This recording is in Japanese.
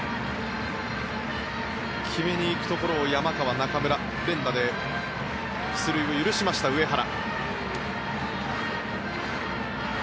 決めに行くところを山川、中村連打で出塁を許しました上原。